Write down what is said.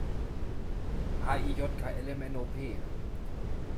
H-I-J-K-L-M-N-O-P!